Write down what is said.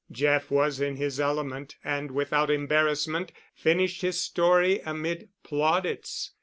Jeff was in his element and without embarrassment finished his story amid plaudits.